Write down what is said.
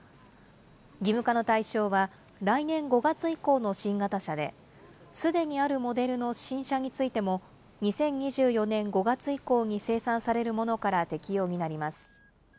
義務化の対象は、来年５月以降の新型車で、すでにあるモデルの新車についても、２０２４年５月以降に生産されるものから適用になります。